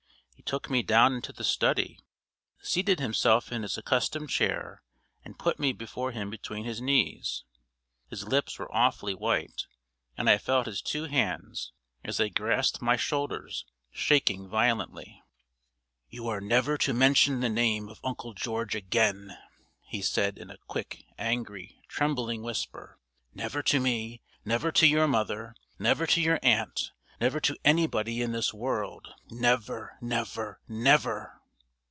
He took me down into the study, seated himself in his accustomed chair, and put me before him between his knees. His lips were awfully white, and I felt his two hands, as they grasped my shoulders, shaking violently. "You are never to mention the name of Uncle George again," he said, in a quick, angry, trembling whisper. "Never to me, never to your mother, never to your aunt, never to anybody in this world! Never never never!"